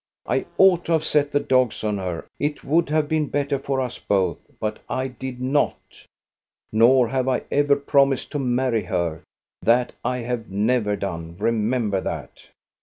I ought to have set the dogs on her, — it would have THE BROOM GIRL 413 been better for us both, — but I did not. Nor have I ever promised to marry her; that I have never done. Remember that